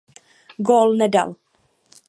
Gól nedal.